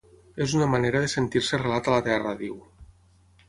“És una manera de sentir-se arrelat a la terra”, diu.